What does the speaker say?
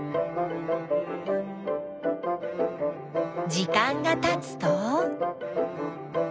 時間がたつと。